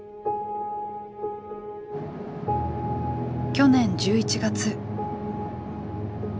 去年１１月。